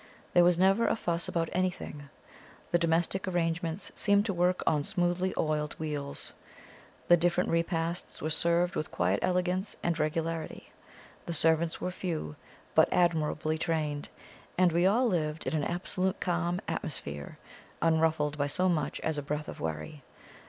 There was never a fuss about anything: the domestic arrangements seemed to work on smoothly oiled wheels; the different repasts were served with quiet elegance and regularity; the servants were few, but admirably trained; and we all lived in an absolutely calm atmosphere, unruffled by so much as a breath of worry.